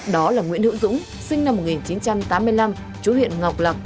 đó là nguyễn hữu dũng sinh năm một nghìn chín trăm tám mươi năm chú huyện ngọc lạc